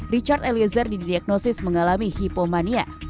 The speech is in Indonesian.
richard eliezer didiagnosis mengalami hipomania